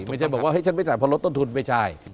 ไม่ใช่บอกว่าให้ฉันไปใส่เพราะรถต้นทุนไม่ใช่